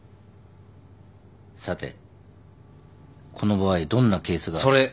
さてこの場合どんなケースが。それ！